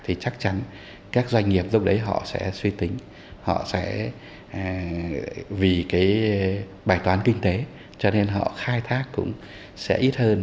thì chắc chắn các doanh nghiệp lúc đấy họ sẽ suy tính họ sẽ vì cái bài toán kinh tế cho nên họ khai thác cũng sẽ ít hơn